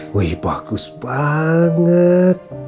wih bagus banget